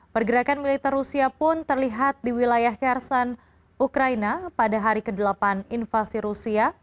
pergerakan militer rusia pun terlihat di wilayah karson ukraina pada hari ke delapan invasi rusia